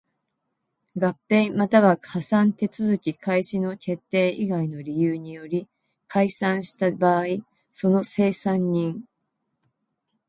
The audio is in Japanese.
合併又は破産手続開始の決定以外の理由により解散した場合その清算人